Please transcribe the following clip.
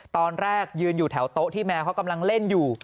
ตอนแรกยืนอยู่แถวโต๊ะที่แมวเขากำลังเล่นอยู่